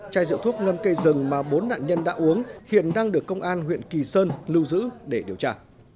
chai rượu thuốc ngâm cây rừng mà bốn nạn nhân đã uống hiện đang được công an huyện kỳ sơn lưu giữ để điều tra